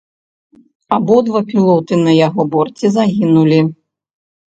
Абодва пілоты на яго борце загінулі.